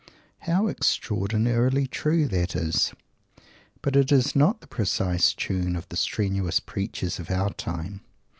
How extraordinarily true that is! But it is not the precise tune of the strenuous preachers of our time!